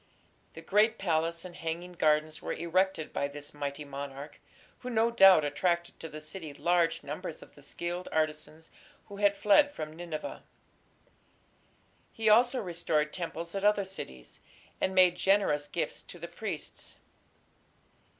The great palace and hanging gardens were erected by this mighty monarch, who no doubt attracted to the city large numbers of the skilled artisans who had fled from Nineveh. He also restored temples at other cities, and made generous gifts to the priests.